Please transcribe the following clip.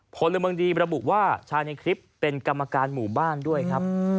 พลเมืองดีระบุว่าชายในคลิปเป็นกรรมการหมู่บ้านด้วยครับ